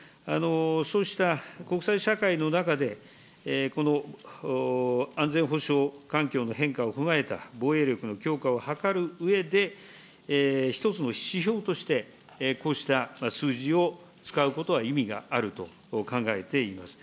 そうした国際社会の中で、この安全保障環境の変化を踏まえた防衛力の強化を図るうえで、一つの指標として、こうした数字を使うことは意味があると考えています。